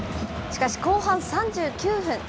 しかし後半３９分。